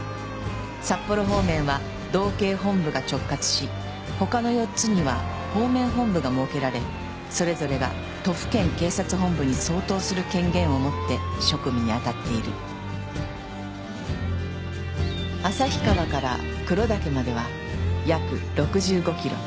札幌方面は道警本部が直轄し他の４つには方面本部が設けられそれぞれが都府県警察本部に相当する権限を持って職務にあたっている旭川から黒岳までは約６５キロ。